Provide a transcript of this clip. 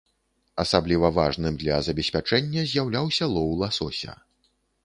Асабліва важным для забеспячэння з'яўляўся лоў ласося.